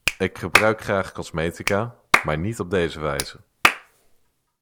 Ik gebruik graag cosmetica, maar niet op deze wijze.